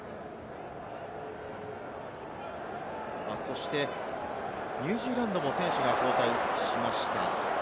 そしてニュージーランドも選手が交代しました。